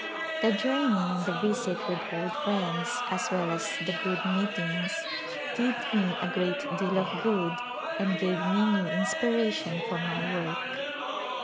The journey and the visit with old friends, as well as the good meetings, did me a great deal of good and gave me new inspiration for my work.